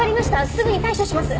すぐに対処します。